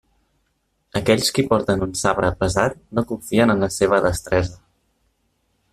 Aquells qui porten un sabre pesat, no confien en la seva destresa.